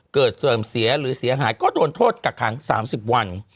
เสื่อมเสียหรือเสียหายก็โดนโทษกักขัง๓๐วัน